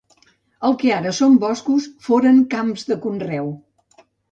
El que ara són boscos foren camps de conreu.